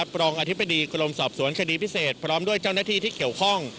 รองอธิบดีกรมสอบสวนคดีพิเศษพร้อมด้วยเจ้าหน้าที่ที่เกี่ยวข้อง